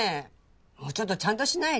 もうちょっとちゃんとしないと。